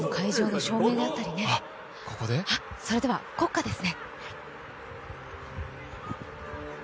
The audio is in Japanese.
それでは、国歌です。